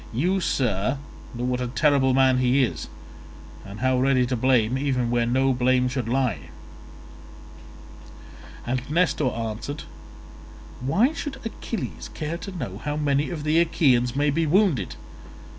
You, sir, know what a terrible man he is, and how ready to blame even where no blame should lie." And Nestor answered, "Why should Achilles care to know how many of the Achaeans may be wounded?